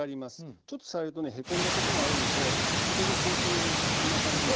ちょっと触るとねへこんだとこがあるのでそこに包丁を入れるとこんな感じで。